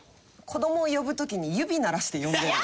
子どもを呼ぶ時に指鳴らして呼んでる。